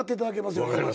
分かります。